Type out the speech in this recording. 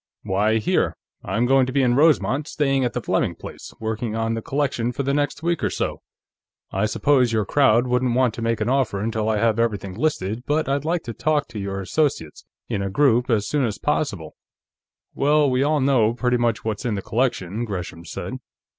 Why, here; I'm going to be in Rosemont, staying at the Fleming place, working on the collection, for the next week or so. I suppose your crowd wouldn't want to make an offer until I have everything listed, but I'd like to talk to your associates, in a group, as soon as possible." "Well, we all know pretty much what's in the collection," Gresham said.